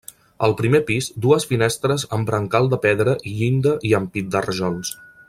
Al primer pis dues finestres amb brancal de pedra i llinda i ampit de rajols.